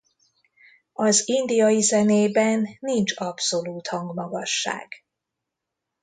Az indiai zenében nincs abszolút hangmagasság.